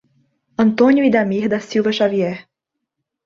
Antônio Idamir da Silva Xavier